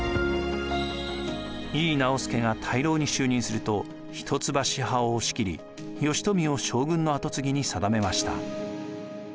井伊直弼が大老に就任すると一橋派を押し切り慶福を将軍のあと継ぎに定めました。